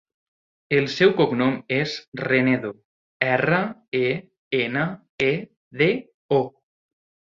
El seu cognom és Renedo: erra, e, ena, e, de, o.